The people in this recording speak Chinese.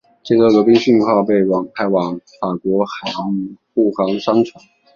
接着罗宾逊号被派往法国海域护航商船。